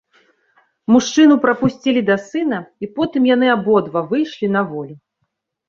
Мужчыну прапусцілі да сына, і потым яны абодва выйшлі на волю.